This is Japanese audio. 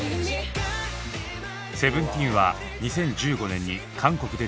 ＳＥＶＥＮＴＥＥＮは２０１５年に韓国でデビュー。